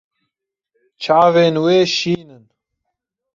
Çavên wê şîn in.